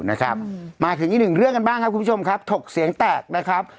นะครับมาถึงอีกหนึ่งเรื่องกันบ้างครับคุณผู้ชมครับถกเสียงแตกนะครับ